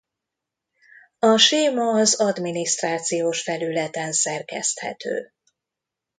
A séma az adminisztrációs felületen szerkeszthető.